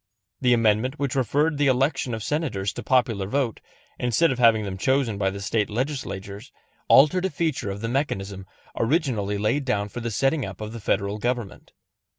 The amendment which referred the election of Senators to popular vote, instead of having them chosen by the State Legislatures, altered a feature of the mechanism originally laid down for the setting up of the Federal government.